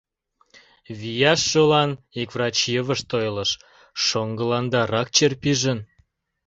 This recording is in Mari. Вияш шолан ик врач йывышт ойлыш: «Шоҥгыланда рак чер пижын.